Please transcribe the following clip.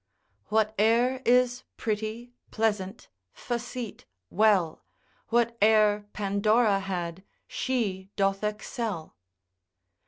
Whate'er is pretty, pleasant, facete, well, Whate'er Pandora had, she doth excel.